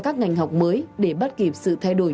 các ngành học mới để bắt kịp sự thay đổi